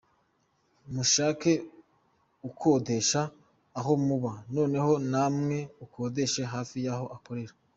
Mushake ukodesha aho muba noneho namwe ukodeshe hafi yaho ukorera.